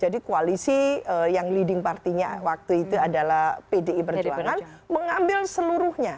jadi koalisi yang leading partinya waktu itu adalah pdi perjuangan mengambil seluruhnya